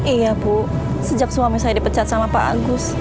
iya bu sejak suami saya dipecat sama pak agus